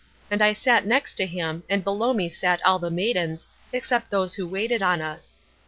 And I sat next to him, and below me sat all the maidens, except those who waited on us.